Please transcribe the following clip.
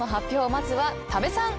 まずは多部さん